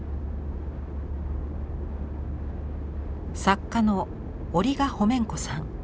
作家のオリガホメンコさん。